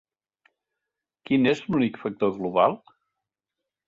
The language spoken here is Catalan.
Quin és l'únic factor global?